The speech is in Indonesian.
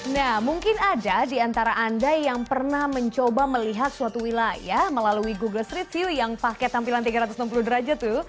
nah mungkin ada di antara anda yang pernah mencoba melihat suatu wilayah melalui google street view yang pakai tampilan tiga ratus enam puluh derajat tuh